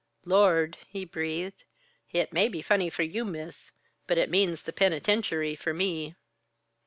"Lord!" he breathed. "It may be funny for you, Miss. But it means the penitentiary for me."